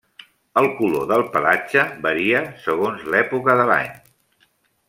El color del pelatge varia segons l'època de l'any.